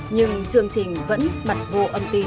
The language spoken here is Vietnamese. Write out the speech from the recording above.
nhưng chương trình vẫn mặt vô âm tín